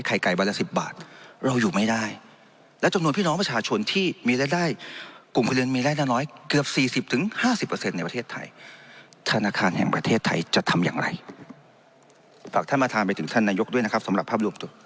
ไข่ไก่วันละสิบบาทเราอยู่ไม่ได้และจำนวนพี่น้องประชาชนที่มีรายได้